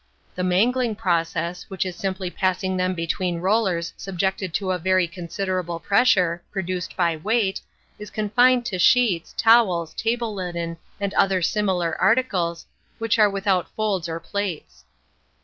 The mangling process, which is simply passing them between rollers subjected to a very considerable pressure, produced by weight, is confined to sheets, towels, table linen, and similar articles, which are without folds or plaits.